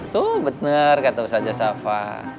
tuh bener kata ustadz jasafa